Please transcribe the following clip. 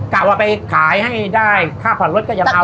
กลับมาไปขายให้ได้ค่าผ่อนรถก็ยังเอาแล้ว